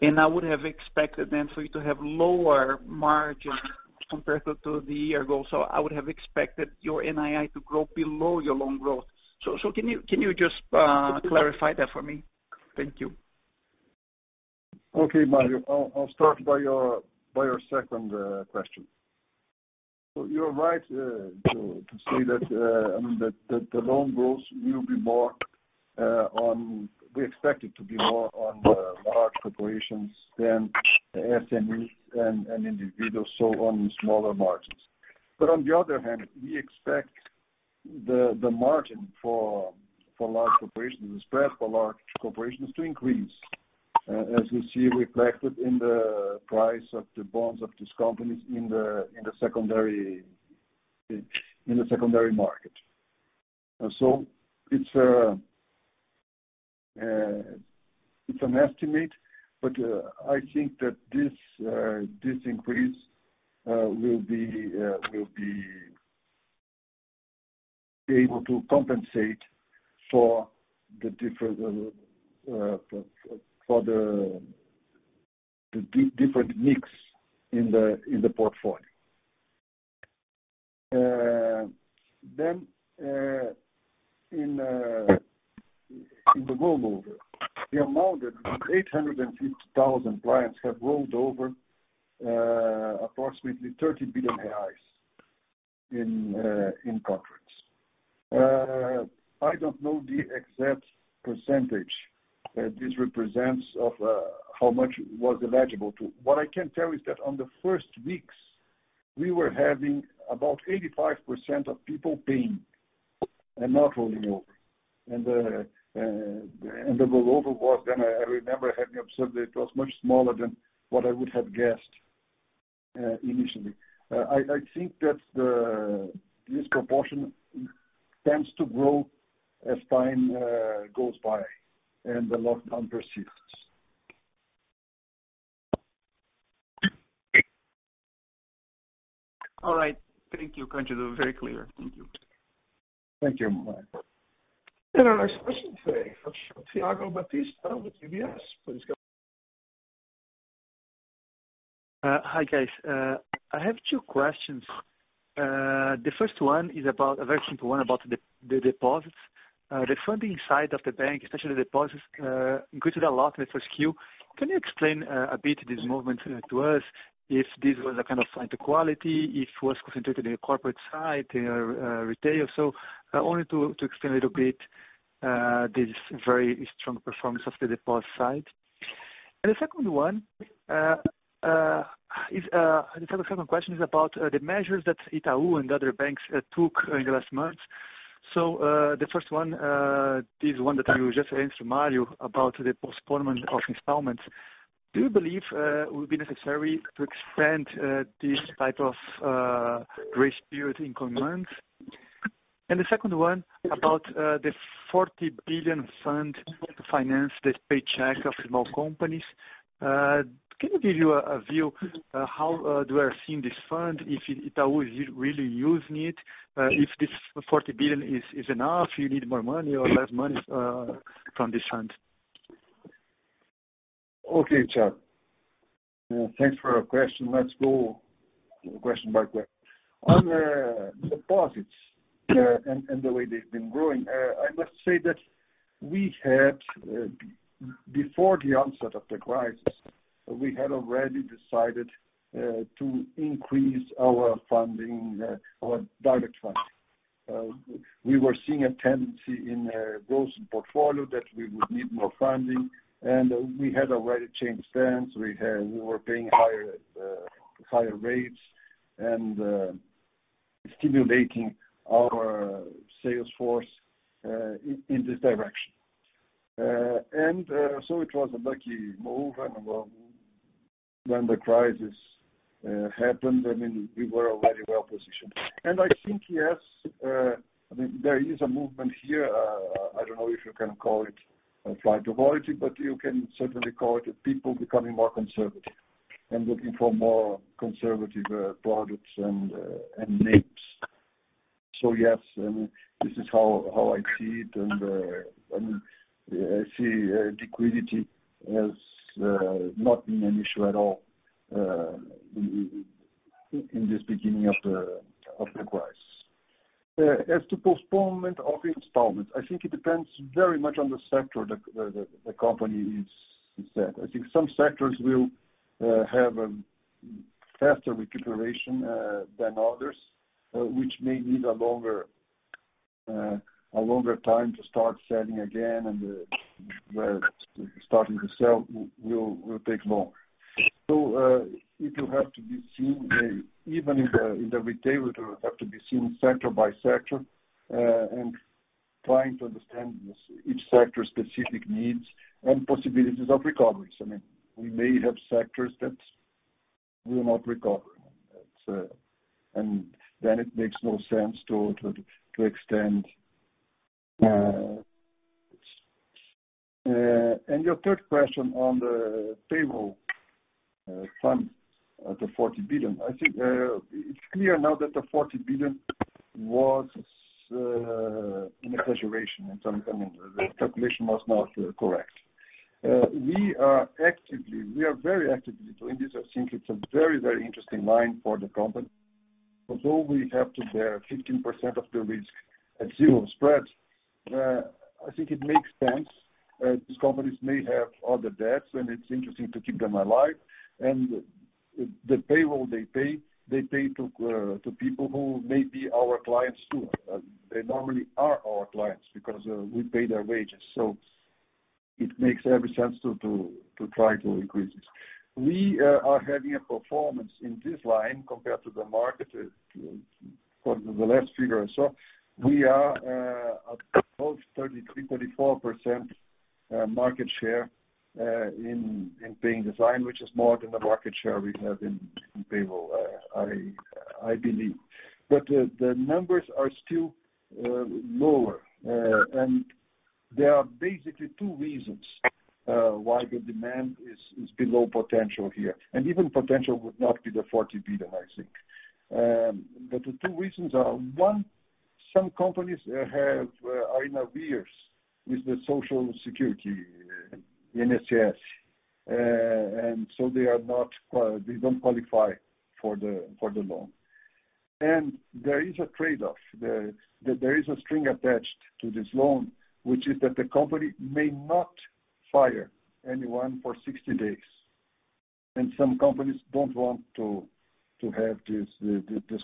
S5: and I would have expected then for you to have lower margins compared to a year ago. So I would have expected your NII to grow below your loan growth. So can you just clarify that for me? Thank you.
S2: Okay, Mario. I'll start by your second question. So you're right to say that, I mean, the loan growth will be more on we expect it to be more on large corporations than SMEs and individuals sold on smaller margins. But on the other hand, we expect the margin for large corporations, the spread for large corporations to increase as we see reflected in the price of the bonds of these companies in the secondary market. It's an estimate, but I think that this increase will be able to compensate for the different mix in the portfolio. Then in the global overall, the amount of 850,000 clients have rolled over approximately 30 billion reais in contracts. I don't know the exact percentage that this represents of how much was eligible to. What I can tell is that on the first weeks, we were having about 85% of people paying and not rolling over. And the rollover was, then I remember having observed that it was much smaller than what I would have guessed initially. I think that this proportion tends to grow as time goes by and the lockdown persists.
S5: All right. Thank you, Candido, it was very clear. Thank you.
S2: Thank you Mario.
S1: And our next question today from Thiago Batista with UBS. Please go ahead.
S6: Hi, guys. I have two questions. The first one is about a very simple one about the deposits. The funding side of the bank, especially the deposits, increased a lot in the first year. Can you explain a bit this movement to us? If this was a kind of high-quality, if it was concentrated in the corporate side or retail? So only to explain a little bit this very strong performance of the deposit side. And the second one, the second question is about the measures that Itaú and other banks took in the last months. So the first one, this one that you just answered, Mario, about the postponement of installments, do you believe will be necessary to extend this type of grace period in coming months? And the second one about the 40 billion fund to finance the paychecks of small companies. Can you give us a view of how we are seeing this fund, if Itaú is really using it, if this 40 billion is enough, you need more money or less money from this fund?
S2: Okay, Thiago. Thanks for your question. Let's go question by question. On the deposits and the way they've been growing, I must say that we had, before the onset of the crisis, we had already decided to increase our funding, our direct funding. We were seeing a tendency in growth portfolio that we would need more funding, and we had already changed plans. We were paying higher rates and stimulating our sales force in this direction. And so it was a lucky move. And when the crisis happened, I mean, we were already well-positioned. And I think, yes, I mean, there is a movement here. I don't know if you can call it a flight to quality, but you can certainly call it people becoming more conservative and looking for more conservative products and names, so yes, I mean, this is how I see it, and I mean, I see liquidity as not being an issue at all in this beginning of the crisis. As to postponement of installments, I think it depends very much on the sector the company is in. I think some sectors will have a faster recuperation than others, which may need a longer time to start selling again, and starting to sell will take longer, so it will have to be seen even in the retailer, it will have to be seen sector by sector and trying to understand each sector's specific needs and possibilities of recovery. So, I mean, we may have sectors that will not recover, and then it makes no sense to extend. And your third question on the payroll fund, the 40 billion, I think it's clear now that the 40 billion was an exaggeration. I mean, the calculation was not correct. We are very actively doing this. I think it's a very, very interesting line for the company. Although we have to bear 15% of the risk at zero spread, I think it makes sense. These companies may have other debts, and it's interesting to keep them alive. And the payroll they pay, they pay to people who may be our clients too. They normally are our clients because we pay their wages. So it makes every sense to try to increase this. We are having a performance in this line compared to the market. For the last figure I saw, we are about 33%-34% market share in paying the fine, which is more than the market share we have in payroll, I believe. But the numbers are still lower, and there are basically two reasons why the demand is below potential here. And even potential would not be the 40 billion, I think. But the two reasons are one, some companies are in arrears with the Social Security, INSS. And so they don't qualify for the loan. And there is a trade-off. There is a string attached to this loan, which is that the company may not fire anyone for 60 days. And some companies don't want to have this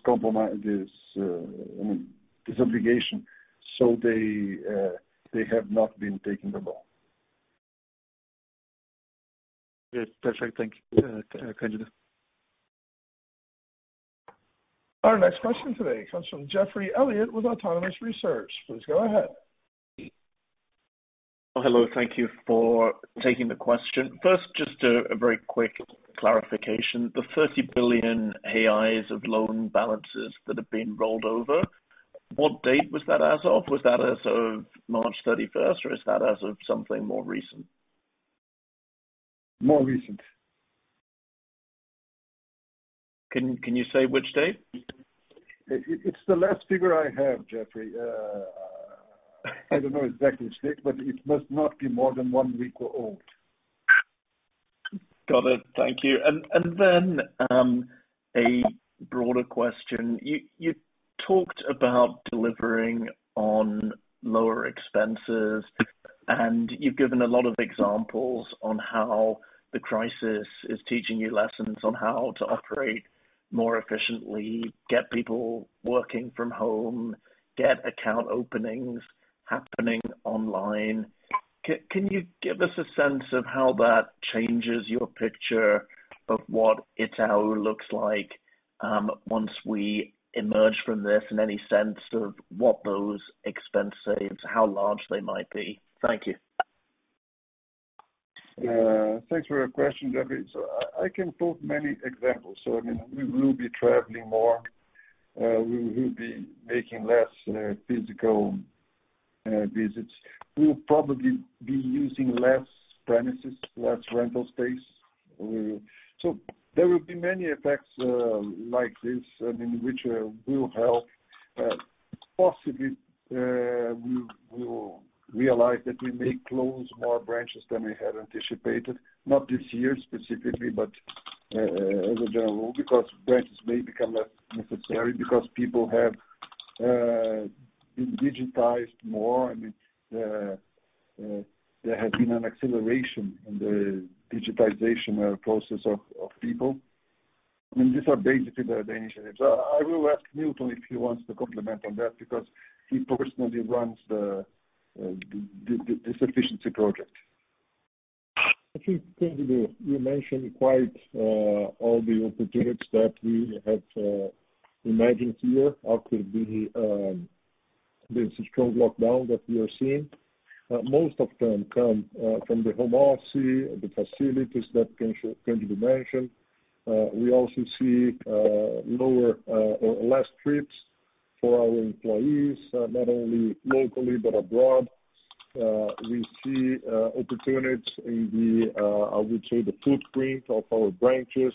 S2: compromise, I mean, this obligation. So they have not been taking the loan.
S6: Yes. Perfect. Thank you, Candido.
S1: Next question today comes from Geoffrey Elliott with Autonomous Research. Please go ahead.
S7: Hello. Thank you for taking the question. First, just a very quick clarification. The 30 billion reais of loan balances that have been rolled over, what date was that as of? Was that as of March 31st, or is that as of something more recent?
S2: More recent.
S7: Can you say which date?
S2: It's the last figure I have, Geoffrey. I don't know exactly which date, but it must not be more than one week old.
S7: Got it. Thank you. And then a broader question. You talked about delivering on lower expenses, and you've given a lot of examples on how the crisis is teaching you lessons on how to operate more efficiently, get people working from home, get account openings happening online. Can you give us a sense of how that changes your picture of what Itaú looks like once we emerge from this and any sense of what those expense saves, how large they might be? Thank you.
S2: Thanks for your question, Geoffrey. So I can think of many examples. So I mean, we will be traveling more. We will be making less physical visits. We'll probably be using less premises, less rental space. So there will be many effects like this, I mean, which will help. Possibly, we will realize that we may close more branches than we had anticipated, not this year specifically, but as a general rule because branches may become less necessary because people have been digitized more. I mean, there has been an acceleration in the digitization process of people. I mean, these are basically the initiatives. I will ask Milton if he wants to comment on that because he personally runs the efficiency project.
S8: I think you mentioned quite all the opportunities that we have emerged here after this strong lockdown that we are seeing. Most of them come from the home office, the facilities that can be mentioned. We also see lower or less trips for our employees, not only locally but abroad. We see opportunities in the, I would say, the footprint of our branches,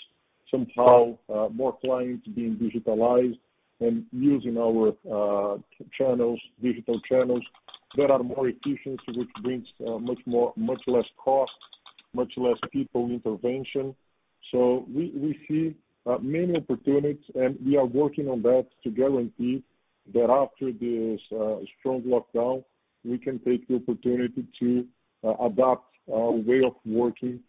S8: somehow more clients being digitalized and using our digital channels that are more efficient, which brings much less cost, much less people intervention. So we see many opportunities, and we are working on that to guarantee that after this strong lockdown, we can take the opportunity to adopt our way of working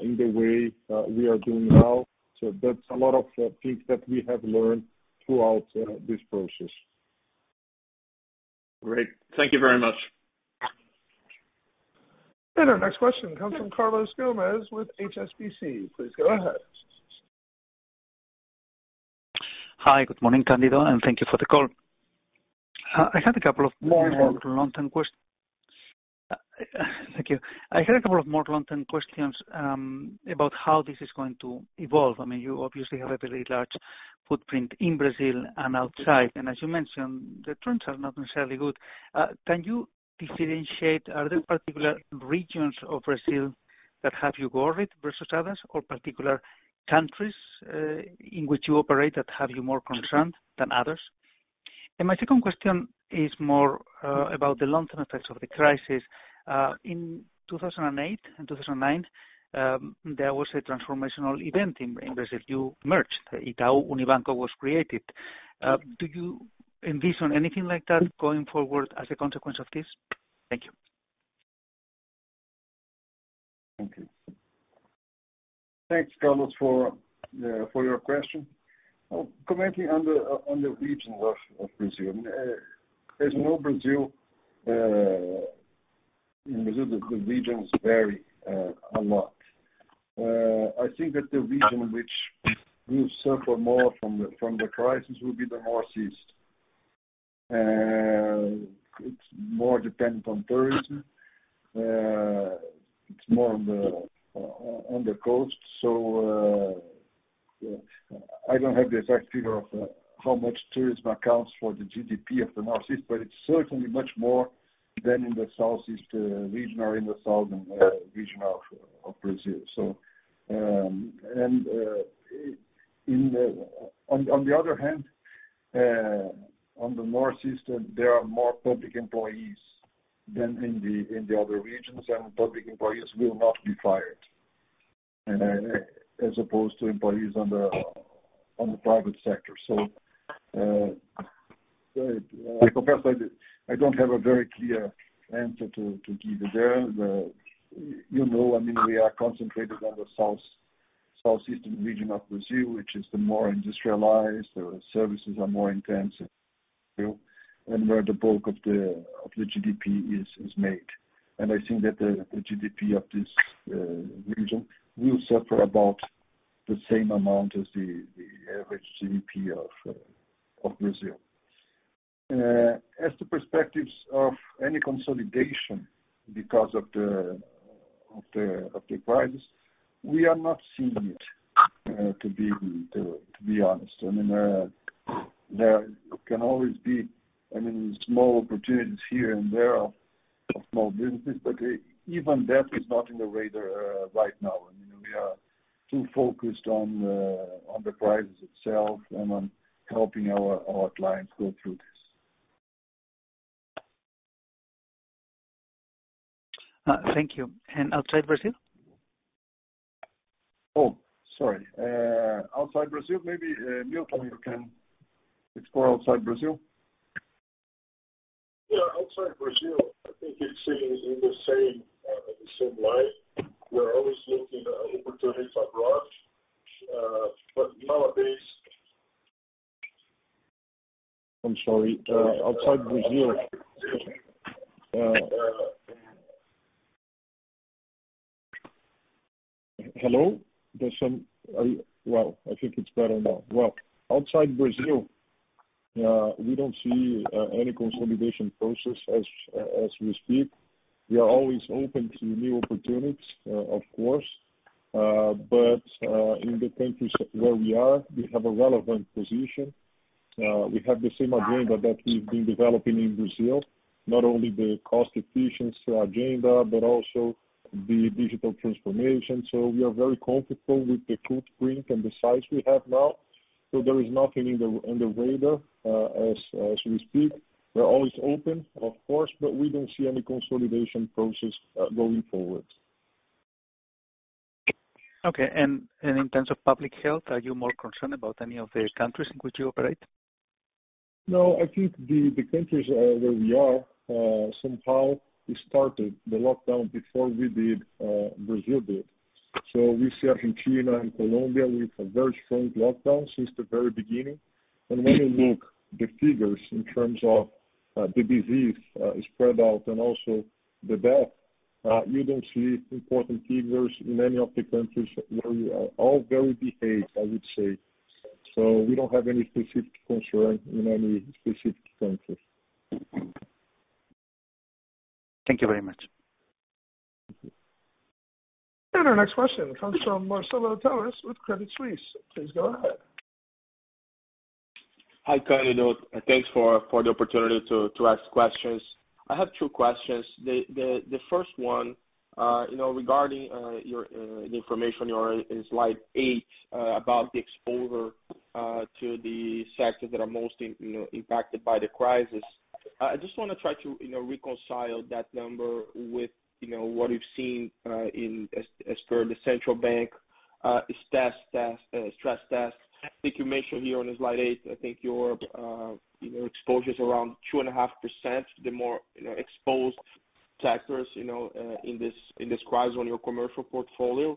S8: in the way we are doing now. So that's a lot of things that we have learned throughout this process.
S7: Great. Thank you very much.
S1: And our next question comes from Carlos Gomez with HSBC. Please go ahead.
S9: Hi. Good morning, Candido, and thank you for the call. I had a couple of more long-term questions. Thank you. I had a couple of more long-term questions about how this is going to evolve. I mean, you obviously have a very large footprint in Brazil and outside. And as you mentioned, the trends are not necessarily good. Can you differentiate? Are there particular regions of Brazil that have you worried versus others, or particular countries in which you operate that have you more concerned than others? And my second question is more about the long-term effects of the crisis. In 2008 and 2009, there was a transformational event in Brazil. You merged. Itaú Unibanco was created. Do you envision anything like that going forward as a consequence of this? Thank you.
S2: Thanks, Carlos, for your question. Commenting on the region of Brazil, as you know, Brazil, the regions vary a lot. I think that the region which will suffer more from the crisis will be the Northeast. It's more dependent on tourism. It's more on the coast. So I don't have the exact figure of how much tourism accounts for the GDP of the Northeast, but it's certainly much more than in the Southeast region or in the Southern Region of Brazil. And on the other hand, on the Northeast, there are more public employees than in the other regions, and public employees will not be fired as opposed to employees on the private sector. So I confess I don't have a very clear answer to give you there. You know, I mean, we are concentrated on the Southeast region of Brazil, which is the more industrialized. The services are more intense, and where the bulk of the GDP is made, and I think that the GDP of this region will suffer about the same amount as the average GDP of Brazil. As to perspectives of any consolidation because of the crisis, we are not seeing it, to be honest. I mean, there can always be, I mean, small opportunities here and there of small businesses, but even that is not in the radar right now. I mean, we are too focused on the crisis itself and on helping our clients go through this. Thank you. And outside Brazil? Oh, sorry. Outside Brazil, maybe Milton, you can explore outside Brazil?
S8: Yeah. Outside Brazil, I think it's in the same line. We're always looking at opportunities abroad, but in our case. [inaudible] I'm sorry. Hello? Outside Brazil, we don't see any consolidation process as we speak. We are always open to new opportunities, of course. But in the countries where we are, we have a relevant position. We have the same agenda that we've been developing in Brazil, not only the cost-efficient agenda, but also the digital transformation. So we are very comfortable with the footprint and the size we have now. So there is nothing on the radar as we speak. We're always open, of course, but we don't see any consolidation process going forward.
S9: Okay. And in terms of public health, are you more concerned about any of the countries in which you operate?
S8: No, I think the countries where we are somehow started the lockdown before Brazil did. So we see us in Chile and Colombia with a very strong lockdown since the very beginning. And when you look at the figures in terms of the disease spread out and also the death, you don't see important figures in any of the countries where we are all very behaved, I would say. So we don't have any specific concern in any specific countries.
S9: Thank you very much.
S1: And our next question comes from Marcelo Telles with Credit Suisse. Please go ahead.
S10: Hi, Candido. Thanks for the opportunity to ask questions. I have two questions. The first one regarding the information on your slide eight about the exposure to the sectors that are most impacted by the crisis. I just want to try to reconcile that number with what we've seen as per the Central Bank stress test. I think you mentioned here on slide eight. I think your exposure is around 2.5%, the more exposed sectors in this crisis on your commercial portfolio,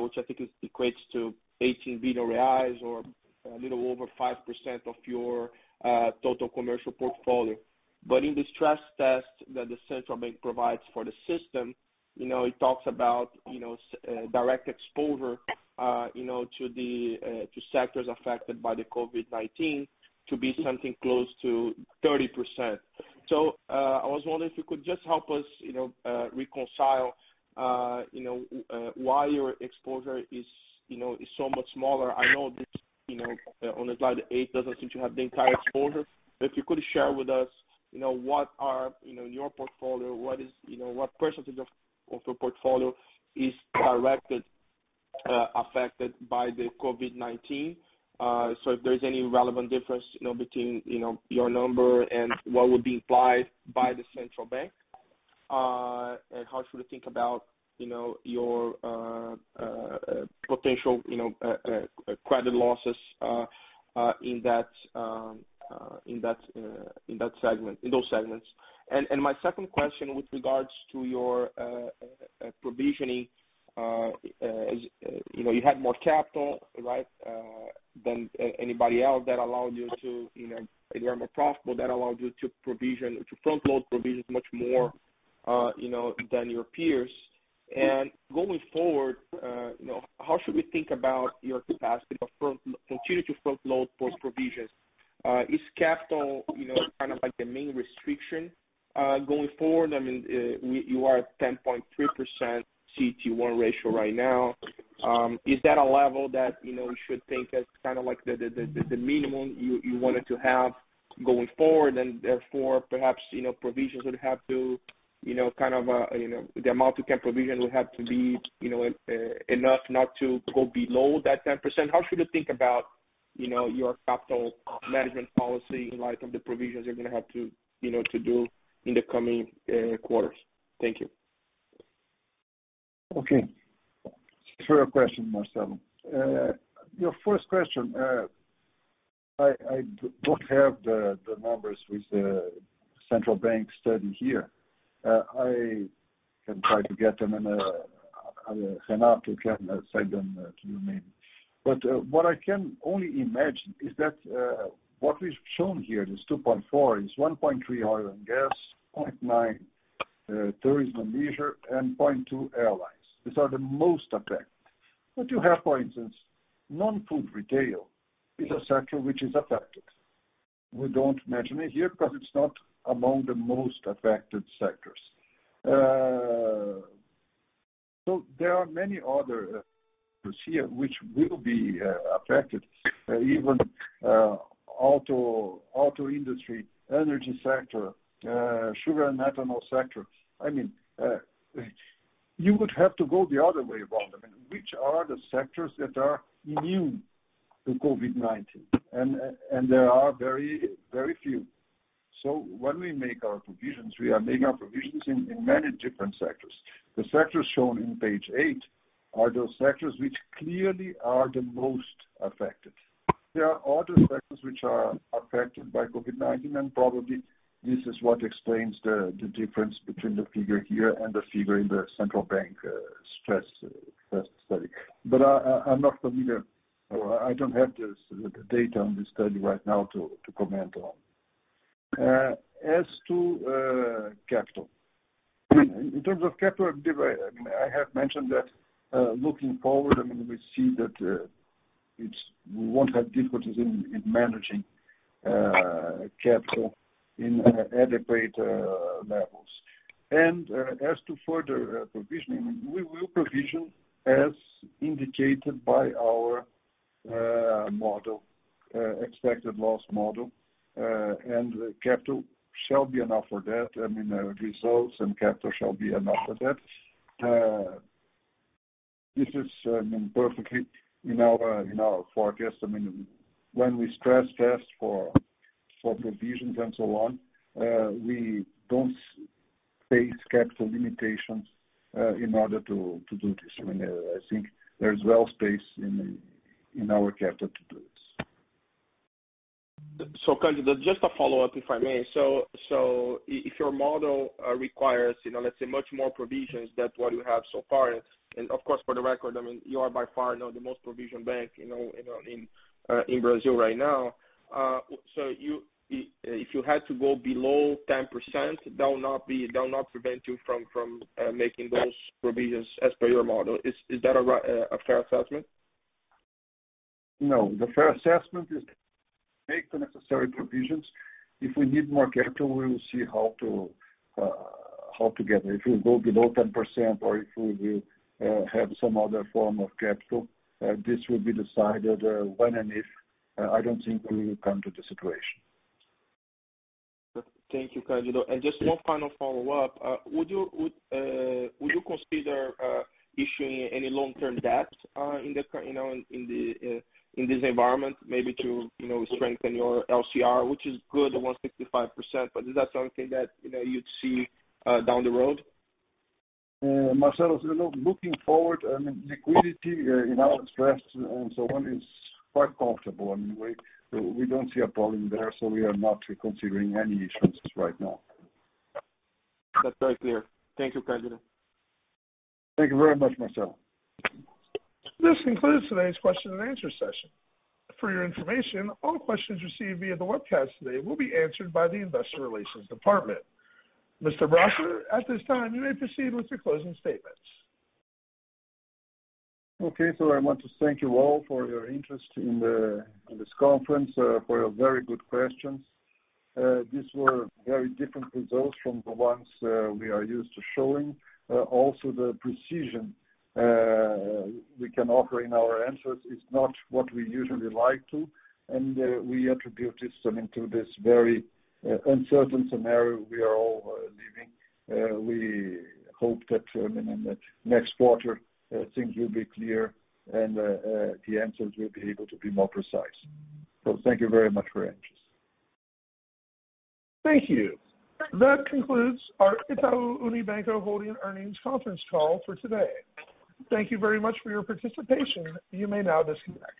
S10: which I think equates to 18 billion reais or a little over 5% of your total commercial portfolio. But in the stress test that the Central Bank provides for the system, it talks about direct exposure to sectors affected by the COVID-19 to be something close to 30%. So I was wondering if you could just help us reconcile why your exposure is so much smaller. I know on slide eight, it doesn't seem to have the entire exposure. If you could share with us what are in your portfolio, what percentage of your portfolio is directly affected by the COVID-19. So if there's any relevant difference between your number and what would be implied by the Central Bank, and how should we think about your potential credit losses in that segment, in those segments? And my second question with regards to your provisioning, you had more capital, right, than anybody else that allowed you to - and you are more profitable that allowed you to provision or to front-load provisions much more than your peers. And going forward, how should we think about your capacity to continue to front-load for provisions? Is capital kind of the main restriction going forward? I mean, you are at 10.3% CET1 ratio right now. Is that a level that you should think as kind of the minimum you wanted to have going forward? And therefore, perhaps provisions would have to kind of the amount you can provision would have to be enough not to go below that 10%. How should you think about your capital management policy in light of the provisions you're going to have to do in the coming quarters? Thank you.
S2: Okay. Thanks for your question, Marcelo. Your first question, I don't have the numbers with the Central Bank study here. I can try to get them and after, I can send them to you, maybe. But what I can only imagine is that what we've shown here, this 2.4, is 1.3 oil and gas, 0.9 tourism and leisure, and 0.2 airlines. These are the most affected. But you have, for instance, non-food retail is a sector which is affected. We don't mention it here because it's not among the most affected sectors. So there are many other sectors here which will be affected, even auto industry, energy sector, sugar and ethanol sector. I mean, you would have to go the other way around. I mean, which are the sectors that are immune to COVID-19? And there are very few. So when we make our provisions, we are making our provisions in many different sectors. The sectors shown in page eight are those sectors which clearly are the most affected. There are other sectors which are affected by COVID-19, and probably this is what explains the difference between the figure here and the figure in the Central Bank stress study. But I'm not familiar, or I don't have the data on this study right now to comment on. As to capital, I mean, in terms of capital, I have mentioned that looking forward, I mean, we see that we won't have difficulties in managing capital in adequate levels. And as to further provisioning, we will provision as indicated by our model, expected loss model, and capital shall be enough for that. I mean, results and capital shall be enough for that. This is perfectly in our forecast. I mean, when we stress test for provisions and so on, we don't face capital limitations in order to do this. I mean, I think there's well space in our capital to do this.
S10: So, Candido, just a follow-up, if I may. So if your model requires, let's say, much more provisions than what you have so far, and of course, for the record, I mean, you are by far the most provisioned bank in Brazil right now. So if you had to go below 10%, that will not prevent you from making those provisions as per your model. Is that a fair assessment?
S2: No. The fair assessment is make the necessary provisions. If we need more capital, we will see how to get it. If we go below 10% or if we will have some other form of capital, this will be decided when and if. I don't think we will come to the situation.
S10: Thank you, Candido. And just one final follow-up. Would you consider issuing any long-term debt in this environment, maybe to strengthen your LCR, which is good, 165%? But is that something that you'd see down the road?
S2: Marcelo, looking forward, I mean, liquidity in our stress and so on is quite comfortable. I mean, we don't see a problem there, so we are not considering any issues right now.
S10: That's very clear. Thank you, Candido.
S2: Thank you very much, Marcelo.
S1: This concludes today's question and answer session. For your information, all questions received via the webcast today will be answered by the investor relations department. Mr. Bracher, at this time, you may proceed with your closing statements.
S2: Okay. So I want to thank you all for your interest in this conference, for your very good questions. These were very different results from the ones we are used to showing. Also, the precision we can offer in our answers is not what we usually like to, and we attribute this to this very uncertain scenario we are all living. We hope that, I mean, in the next quarter, things will be clear and the answers will be able to be more precise. So thank you very much for your interest.
S1: Thank you. That concludes our Itaú Unibanco Holding earnings conference call for today. Thank you very much for your participation. You may now disconnect.